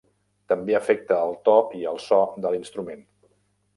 També afecta el to i el so de l'instrument.